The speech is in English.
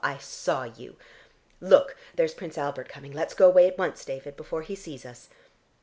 I saw you. Look, there's Prince Albert coming; let's go away at once, David, before he sees us."